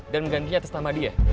dan menggantinya atas nama dia